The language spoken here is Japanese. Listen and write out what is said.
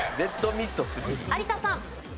有田さん。